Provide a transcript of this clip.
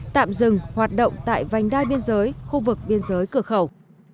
tạm dừng hoạt động tại vành đai biên giới khu vực biên giới cửa khẩu